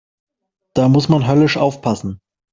Da muss man höllisch aufpassen.